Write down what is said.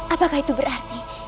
apakah itu berarti